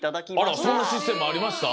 あらそんなシステムありました？